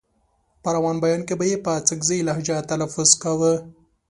په روان بيان کې به يې په اڅکزۍ لهجه تلفظ کاوه.